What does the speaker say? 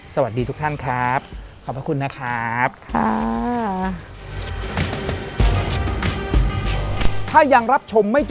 สวัสดีทุกท่านครับ